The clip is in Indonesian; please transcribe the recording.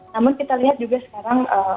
namun kita lihat juga sekarang